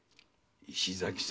石崎様。